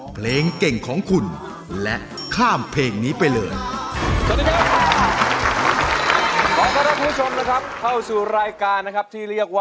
เพลงเก่งของคุณและข้ามเพลงนี้ไปเลย